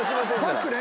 パックね？